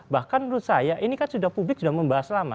bahkan menurut saya ini kan sudah publik sudah membahas lama